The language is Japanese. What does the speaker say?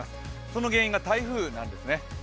その原因が台風なんですね。